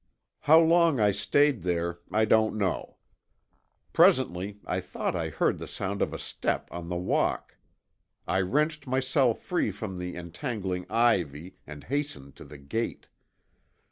"How long I stayed there I don't know. Presently I thought I heard the sound of a step on the walk. I wrenched myself free from the entangling ivy and hastened to the gate.